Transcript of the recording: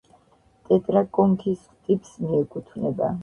ტეტრაკონქის ტიპს მიეკუთვნება.